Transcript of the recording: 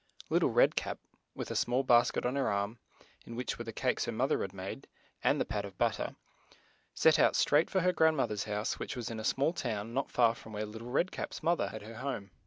Lit tle Red Cap, with a small basket on her arm, in which were the cakes her moth er had made, and the pat of butter, set out straight for her grand moth er's house, which was in a small town not far from where Lit tle Red Cap's moth er had her home.